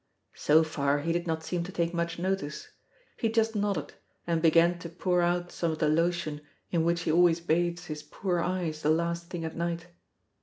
So far he did not seem to take much notice. He just nodded, and began to pour out some of the lotion in which he always bathes his poor eyes the last thing at night.